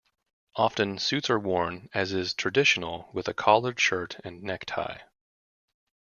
Often, suits are worn, as is traditional, with a collared shirt and necktie.